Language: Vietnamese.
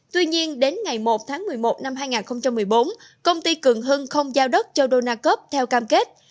tuy nhiên đến ngày một tháng một mươi một năm hai nghìn một mươi bốn công ty cường hưng không giao đất cho đô na cóc theo cam kết